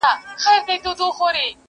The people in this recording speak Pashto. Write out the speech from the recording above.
په خپل نوبت کي هر یوه خپلي تیارې راوړي!.